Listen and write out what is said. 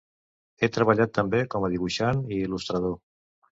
Ha treballat també com a dibuixant i il·lustrador.